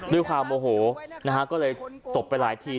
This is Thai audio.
ด้วยความโมโหนะฮะก็เลยตบไปหลายที